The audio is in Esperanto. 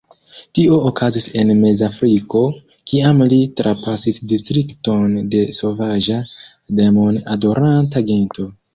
Tio okazis en Mezafriko, kiam li trapasis distrikton de sovaĝa, demon-adoranta gento.